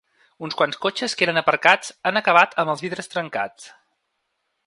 Uns quants cotxes que eren aparcats han acabat amb els vidres trencats.